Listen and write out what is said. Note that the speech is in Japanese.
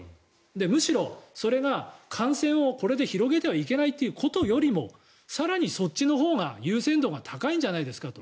むしろ、それが感染をこれで広げてはいけないということよりも更にそっちのほうが優先度が高いんじゃないですかと。